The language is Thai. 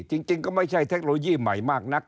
จริงก็ไม่ใช่เทคโนโลยีใหม่มากนัก